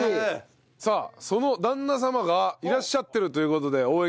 さあその旦那様がいらっしゃってるという事で応援